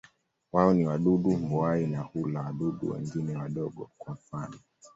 Wao ni wadudu mbuai na hula wadudu wengine wadogo, kwa mfano.